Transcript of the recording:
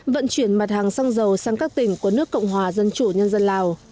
vận chuyển mặt hàng xăng dầu sang các tỉnh của nước cộng hòa dân chủ nhân dân lào